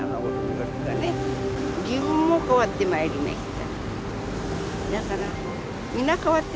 だから皆変わってまいりました。